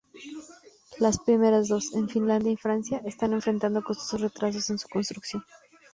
Las primeras dos, en Finlandia y Francia, están enfrentando costosos retrasos en su construcción.